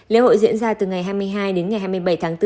lễ hội diễn ra từ ngày hai mươi hai đến ngày hai mươi bảy tháng bốn